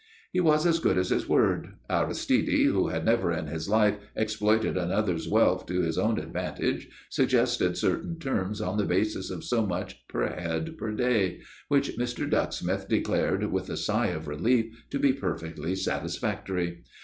He was as good as his word. Aristide, who had never in his life exploited another's wealth to his own advantage, suggested certain terms, on the basis of so much per head per day, which Mr. Ducksmith declared, with a sigh of relief, to be perfectly satisfactory.